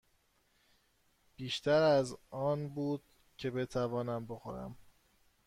بیشتر از آن بود که بتوانم بخورم.